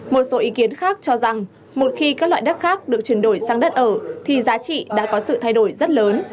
một số ý kiến khác cho rằng một khi các loại đất khác được chuyển đổi sang đất ở thì giá trị đã có sự thay đổi rất lớn